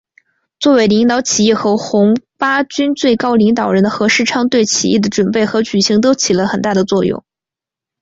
作为领导起义和红八军最高领导人的何世昌对起义的准备和举行都起了很大的作用。